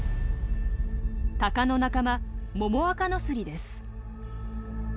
タカの仲間モモアカノスリです。